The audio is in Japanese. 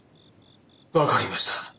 分かりました。